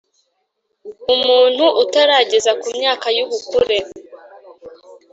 Umuntu utarageza ku myaka y ubukure